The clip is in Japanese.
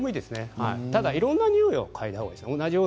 ただ、いろんな匂いを嗅いだ方がいいです。